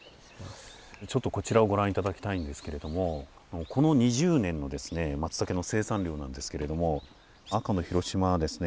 ちょっとこちらをご覧いただきたいんですけれどもこの２０年のですねマツタケの生産量なんですけれども赤の広島はですね